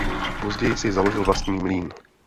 Později si založil vlastní mlýn.